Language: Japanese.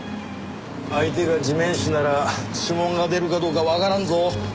相手が地面師なら指紋が出るかどうかわからんぞ。